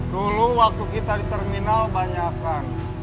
dulu waktu kita di terminal banyakan